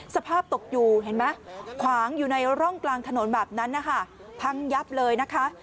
สภาพตกอยู่เห็นไหมขวางอยู่ในร่องกลางถนนแบบนั้นนะคะพังยับเลยนะคะ